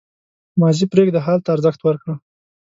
• ماضي پرېږده، حال ته ارزښت ورکړه.